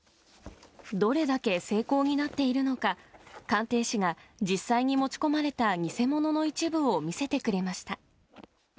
どれだけ精巧になっているのか、鑑定士が、実際に持ち込まれた偽物の一部を見せてくれました。